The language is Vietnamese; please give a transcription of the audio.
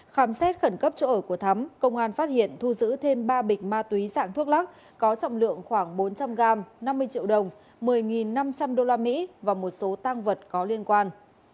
khám xét khẩn cấp chỗ ở của thắm công an phát hiện thu giữ thêm ba bịch ma túy dạng thuốc lắc có trọng lượng khoảng bốn trăm linh gram năm mươi triệu đồng một mươi năm trăm linh usd và một số tăng vật có liên quan